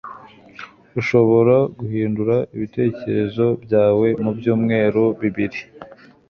Urashobora guhindura ibitekerezo byawe mubyumweru bibiri.